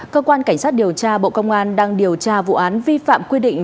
cơ quan cảnh sát điều tra bộ công an đang điều tra vụ án vi phạm quy định